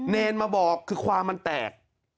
เนรมาบอกคือความมันแตก